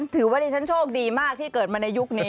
ถือว่าดิฉันโชคดีมากที่เกิดมาในยุคนี้